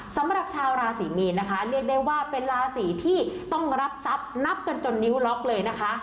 สำหรับชาวราศรีมีนนะคะเรียกได้ว่าเป็นราศีที่ต้องรับทรัพย์นับกันจนนิ้วล็อกเลยนะคะ